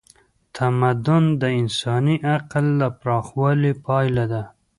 تمدن د انساني عقل د پراخوالي پایله ده.